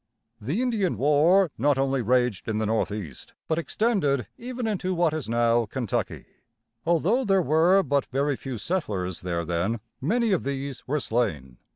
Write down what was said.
The Indian war not only raged in the northeast, but extended even into what is now Ken tuck´y. Although there were but very few settlers there then, many of these were slain.